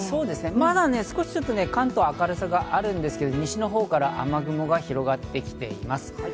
まだ少し、ちょっと関東は明るさがあるんですが、西のほうから雨雲が広がってきています。